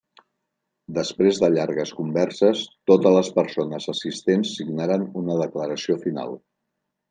Després de llargues converses, totes les persones assistents signaren una declaració final.